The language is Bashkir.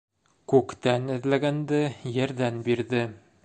Күктән эҙләгәнде ерҙән бирҙе.